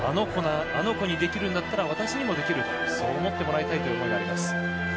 あの子にできるんだったら私にもできるとそう思ってもらいたいという思いがあります。